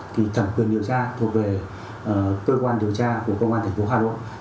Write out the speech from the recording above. thì thẩm quyền điều tra thuộc về cơ quan điều tra của công an tp hà nội